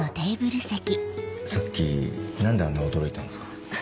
さっき何であんな驚いたんですか？